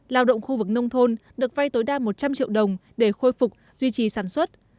lao động khu vực nông thôn được vay tối đa một trăm linh triệu đồng để khôi phục duy trì sản xuất